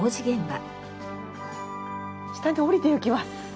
下に下りていきます。